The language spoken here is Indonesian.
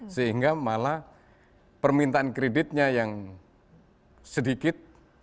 sehingga malah permintaan kreditnya yang sedikit